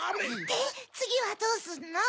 でつぎはどうすんの？